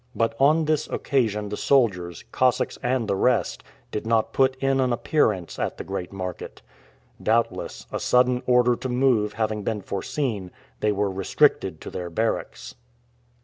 But on this occasion the soldiers, Cossacks and the rest, did not put in an appearance at the great market. Doubtless, a sudden order to move having been foreseen, they were restricted to their barracks.